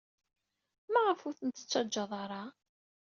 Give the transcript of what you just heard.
Maɣef ur tent-tettaǧǧad ara?